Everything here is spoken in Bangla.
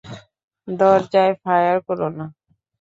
দরজায় ফায়ার করো না।